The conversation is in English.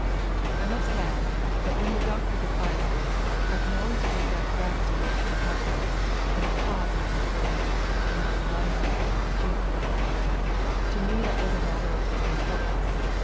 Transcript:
I must add, that when the Doctor defies me, I can always bring back gravity to his countenance, and a pause in his railing, when I remind him of the juniper bush. To me that was a matter of little importance.